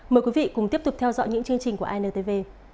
mời quý vị cùng tiếp tục theo dõi những chương trình của intv